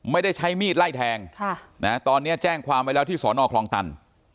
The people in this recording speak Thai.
ไม่ได้ใช้มีดไล่แทงตอนนี้แจ้งความไว้แล้วที่สอนอคลองตัน